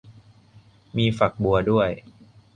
มีฝักบัวด้วย